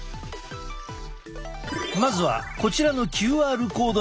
まずはこちらのＱＲコードにアクセス。